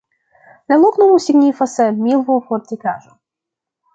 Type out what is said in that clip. La loknomo signifas: milvo-fortikaĵo.